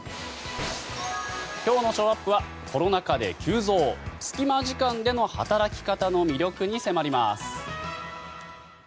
今日のショーアップはコロナ禍で急増隙間時間での働き方の魅力に迫ります。